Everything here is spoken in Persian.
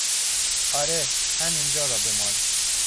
آره، همینجا را بمال!